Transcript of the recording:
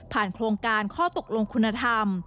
โครงการข้อตกลงคุณธรรม